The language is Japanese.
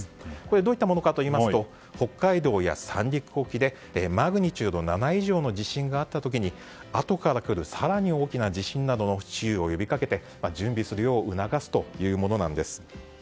どういったものかというと北海道や三陸沖でマグニチュード７以上の地震があった時にあとからくる更に大きな地震に注意を呼び掛けて準備するよう促すというものです。